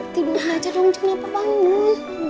tidur aja dong jangan apa apaan nih